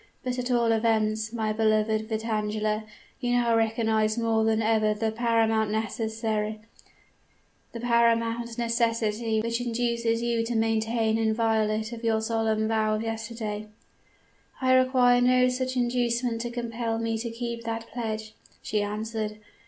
But at all events; my beloved Vitangela, you now recognize more than ever the paramount necessity which induces you to maintain inviolate your solemn vow of yesterday.' "'I require no such inducement to compel me to keep that pledge,' she answered.